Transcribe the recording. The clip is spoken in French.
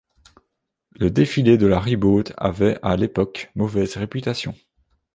Le défilé de la Ribaute avait à l'époque mauvaise réputation.